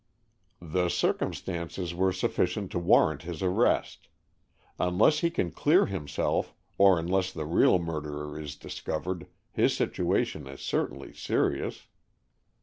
"The circumstances were sufficient to warrant his arrest. Unless he can clear himself, or unless the real murderer is discovered, his situation is certainly serious."